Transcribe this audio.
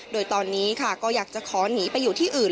โดยตอนนี้ค่ะก็อยากจะขอหนีไปอยู่ที่อื่น